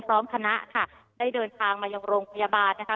พร้อมคณะค่ะได้เดินทางมายังโรงพยาบาลนะคะ